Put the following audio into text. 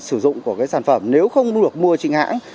sử dụng của cái sản phẩm nếu không được mua chính hãng